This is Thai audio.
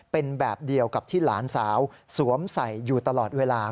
เป็นแบบเดียวกับที่หลานสาวสวมใส่อยู่ตลอดเวลา